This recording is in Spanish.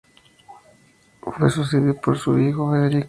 Fue sucedido por su hijo Federico.